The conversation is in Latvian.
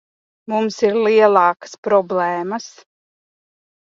Mums ir lielākas problēmas.